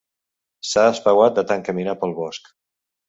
S'ha espeuat de tant caminar pel bosc.